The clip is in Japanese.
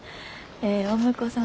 ええお婿さん